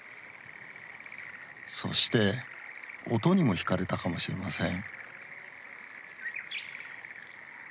そして音にも引かれたかもしれません。